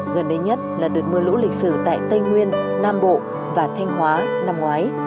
gần đây nhất là đợt mưa lũ lịch sử tại tây nguyên nam bộ và thanh hóa năm ngoái